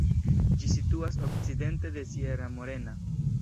Ĝi situas okcidente de Sierra Morena.